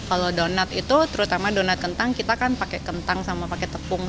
kalau donat itu terutama donat kentang kita kan pakai kentang sama pakai tepung